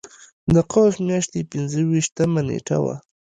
د قوس میاشتې پنځه ویشتمه نېټه وه.